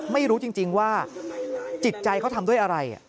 ไม่รู้จริงว่าจิตใจเขาทำด้วยอะไร